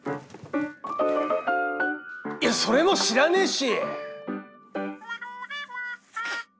いやそれも知らねえし！